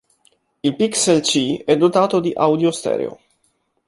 Il Pixel C è dotato di audio stereo.